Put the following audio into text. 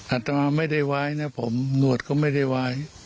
อัตมาไม่ได้ไว้นะผมหนวดก็ไม่ได้ไว้